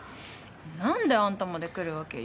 何であんたまで来るわけ？